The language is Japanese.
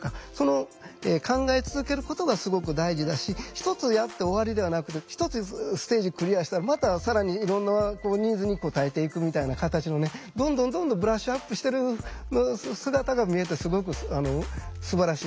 １つやって終わりではなくて１つステージクリアしたらまた更にいろんなニーズに応えていくみたいな形のねどんどんどんどんブラッシュアップしてる姿が見えてすごくすばらしいなと思いましたね。